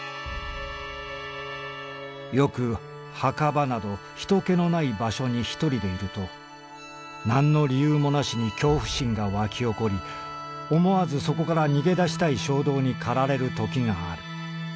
「よく墓場など人気のない場所に一人でいると何の理由もなしに恐怖心がわき起こり思わずそこから逃げ出したい衝動にかられるときがある。